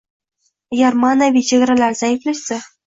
agar ma’naviy chegaralar zaiflashsa